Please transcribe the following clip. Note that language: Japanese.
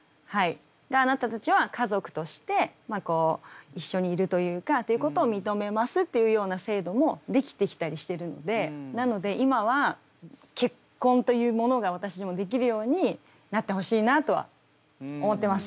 あなたたちは家族として一緒にいるというかということを認めますっていうような制度も出来てきたりしてるのでなので今は結婚というものが私でもできるようになってほしいなとは思ってます。